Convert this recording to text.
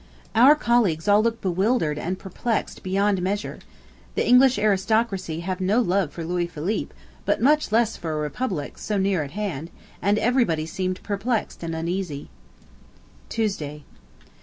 Our colleagues all look bewildered and perplexed beyond measure. ... The English aristocracy have no love for Louis Philippe, but much less for a republic, so near at hand, and everybody seemed perplexed and uneasy. Tuesday.